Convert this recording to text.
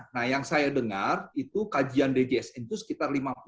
nah yang saya dengar itu kajian djsn itu sekitar rp lima puluh rp tujuh puluh lima